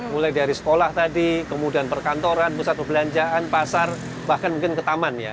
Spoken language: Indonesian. mulai dari sekolah tadi kemudian perkantoran pusat perbelanjaan pasar bahkan mungkin ke taman ya